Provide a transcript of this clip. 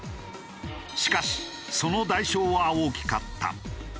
しかしその代償は大きかった。